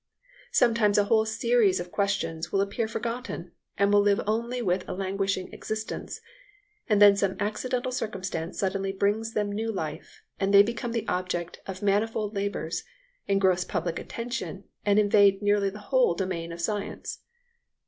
Sometimes a whole series of questions will appear forgotten, and will live only with a languishing existence; and then some accidental circumstance suddenly brings them new life, and they become the object of manifold labours, engross public attention, and invade nearly the whole domain of science.